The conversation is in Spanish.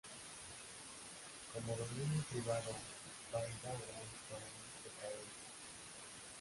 Como dominio privado, Valldaura entró en decadencia.